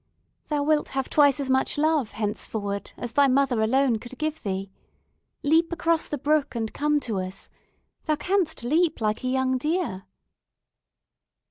Thou wilt have twice as much love henceforward as thy mother alone could give thee! Leap across the brook and come to us. Thou canst leap like a young deer!"